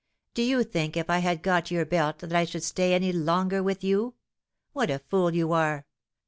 Do you think if I had got your belt that I should stay any longer with you. What a fool you are!